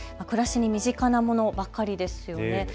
暮らしに身近なものばかりですよね。